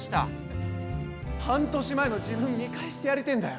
半年前の自分見返してやりてえんだよ！